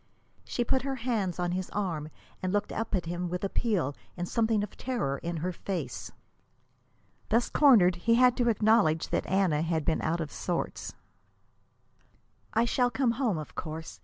She put her hands on his arm and looked up at him with appeal and something of terror in her face. Thus cornered, he had to acknowledge that Anna had been out of sorts. "I shall come home, of course.